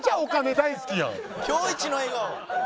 今日イチの笑顔！